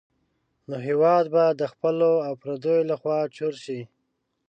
نو هېواد به د خپلو او پردیو لخوا چور شي.